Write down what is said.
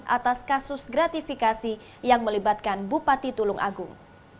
atas kasus gratifikasi yang melibatkan bupati tulung agung